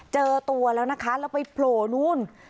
เจอตัวแล้วนะคะแล้วไปโผล่นู่น